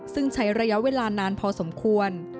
ซึ่งใช้ระยะเวลานานพอสมควร